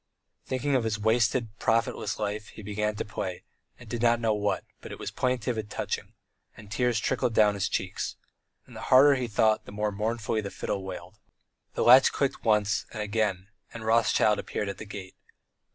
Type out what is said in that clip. Thinking of his wasted, profitless life, he began to play, he did not know what, but it was plaintive and touching, and tears trickled down his cheeks. And the harder he thought, the more mournfully the fiddle wailed. The latch clicked once and again, and Rothschild appeared at the gate.